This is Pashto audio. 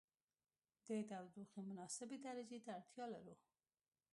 د تودوخې مناسبې درجې ته اړتیا لرو.